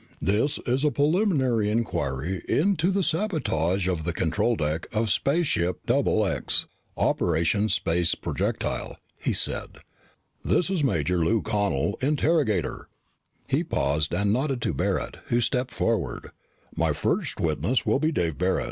"This is a preliminary inquiry into the sabotage of the control deck of spaceship XX, Operation Space Projectile," he said. "This is Major Lou Connel, interrogator!" He paused and nodded to Barret who stepped forward. "My first witness will be Dave Barret."